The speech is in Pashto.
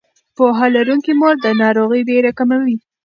پوهه لرونکې مور د ناروغۍ ویره کموي.